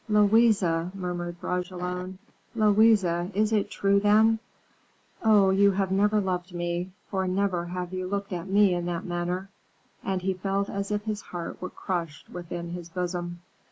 "Louise!" murmured Bragelonne, "Louise! is it true, then? Oh, you have never loved me, for never have you looked at me in that manner." And he felt as if his heart were crushed within his bosom.